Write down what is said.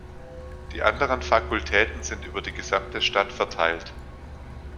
Die anderen Fakultäten sind über die gesamte Stadt verteilt.